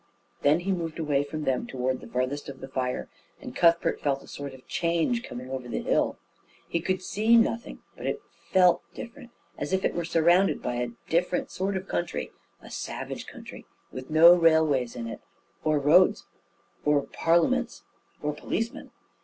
Then he moved away from them toward the farthest of the fires, and Cuthbert felt a sort of change coming over the hill. He could see nothing, but it felt different, as if it were surrounded by a different sort of country a savage country, with no railways in it, or roads, or parliaments, or policemen.